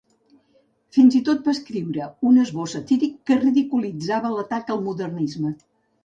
Fins i tot va escriure un esbós satíric que ridiculitzava l"atac al modernisme.